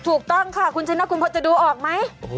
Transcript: ถูกต้องค่ะคุณชนะคุณพอจะดูออกไหม